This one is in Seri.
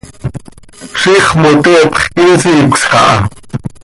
¡Ziix moteepx quih insiicösj aha!